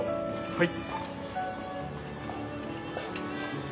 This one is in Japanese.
はい。